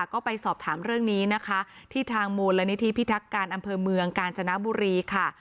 ก็ไปสอบถามเรื่องนี้นะคะที่ทางมูลนิธิพิทักการอำเภอเมืองกาญจนบุรีค่ะ